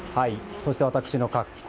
そして、私の格好。